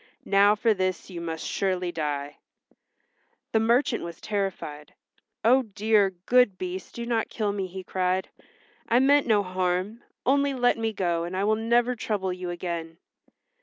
Now for this you must surely die." The merchant was terrified. "Oh, dear, good Beast do not kill me!" he cried. "I meant no harm. Only let me go, and I will never trouble you again."